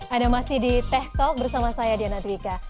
anda masih di teh talk bersama saya diana dwika